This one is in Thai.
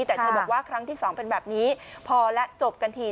แต่เธอบอกว่าครั้งที่สองเป็นแบบนี้พอแล้วจบกันที